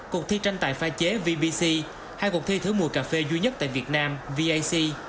cuộc thi tranh tài pha chế vbc hai cuộc thi thử mùa cà phê duy nhất tại việt nam vac